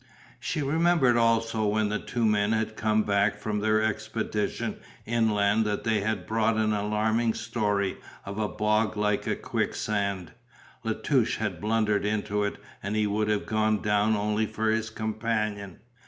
She remembered also when the two men had come back from their expedition inland they had brought an alarming story of a bog like a quick sand. La Touche had blundered into it and he would have gone down only for his companion.